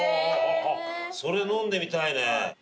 それ飲んでみたいね。